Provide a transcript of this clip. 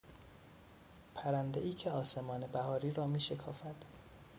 پرندهای که آسمان بهاری را میشکافد